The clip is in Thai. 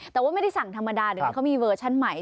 แต่ว่าไม่ได้สั่งธรรมดาเดี๋ยวนี้เขามีเวอร์ชั่นใหม่